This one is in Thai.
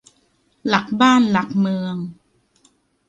หลักบ้านหลักเมือง